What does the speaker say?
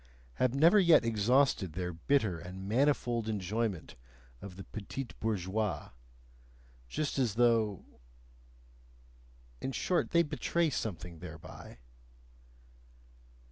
have never yet exhausted their bitter and manifold enjoyment of the betise bourgeoise, just as though... in short, they betray something thereby.